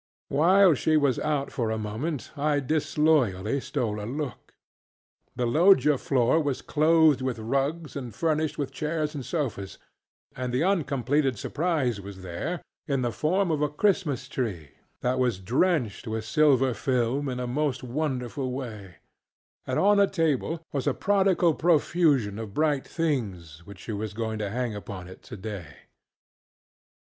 While she was out for a moment I disloyally stole a look. The loggia floor was clothed with rugs and furnished with chairs and sofas; and the uncompleted surprise was there: in the form of a Christmas tree that was drenched with silver film in a most wonderful way; and on a table was a prodigal profusion of bright things which she was going to hang upon it today.